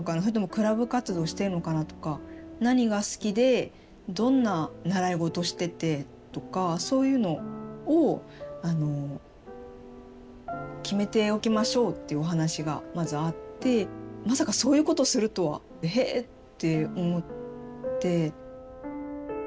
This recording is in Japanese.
それともクラブ活動してるのかなとか何が好きでどんな習い事しててとかそういうのを決めておきましょうっていうお話がまずあってまさかそういうことをするとは「へぇ」って思って。